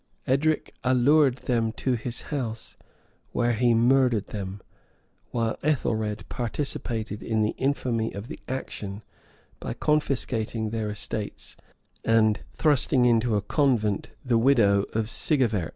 Edric allured them into his house, where he murdered them; while Ethelred participated in the infamy of the action, by confiscating their estates, and thrusting into a convent the widow of Sigefert.